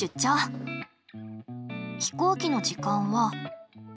飛行機の時間は９時。